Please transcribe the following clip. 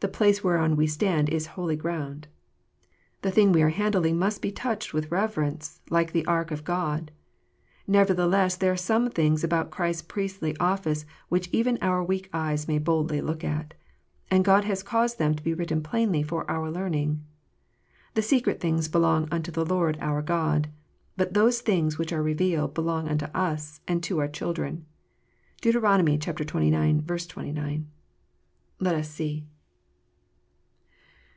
The place whereon we stand is holy ground. The thing we are handling must be touched with reverence, like the ark of God. Nevertheless, there are some things about Christ s priestly office which even our weak eyes may boldly look at ; and God has caused them to be written plainly for our learning. " The secret things belong unto the Lord our God : but those things which are revealed belong unto us and to our children." (Dent. xxix. 29.) Let us see. 248 KNOTS UNTIED.